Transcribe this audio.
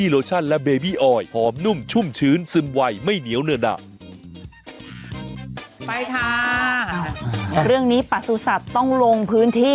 เรื่องนี้ปสุศัพท์ต้องลงพื้นที่